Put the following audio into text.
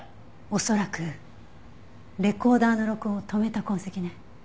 恐らくレコーダーの録音を止めた痕跡ね。